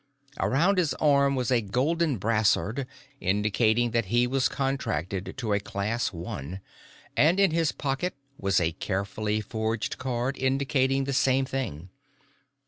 Around his arm was a golden brassard indicating that he was contracted to a Class One, and in his pocket was a carefully forged card indicating the same thing.